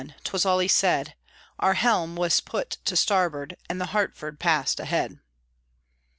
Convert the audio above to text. _" 'twas all he said, Our helm was put to starboard, And the Hartford passed ahead.